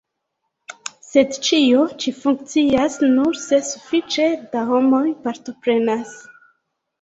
Sed ĉio ĉi funkcias nur se sufiĉe da homoj partoprenas.